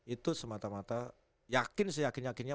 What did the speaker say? itu semata mata yakin seyakin yakinnya